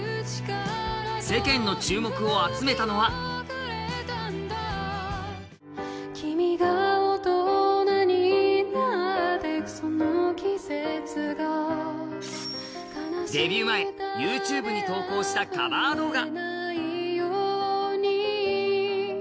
世間の注目を集めたのはデビュー前、ＹｏｕＴｕｂｅに投稿したカバー動画。